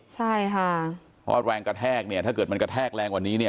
ใช่ค่ะเพราะแรงกระแทกเนี่ยถ้าเกิดมันกระแทกแรงกว่านี้เนี่ย